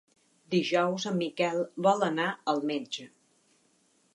Dijous en Miquel vol anar al metge.